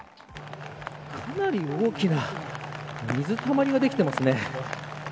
かなり大きな水たまりができていますね。